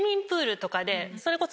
それこそ。